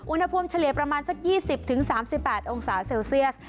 เฉลี่ยประมาณสัก๒๐๓๘องศาเซลเซียส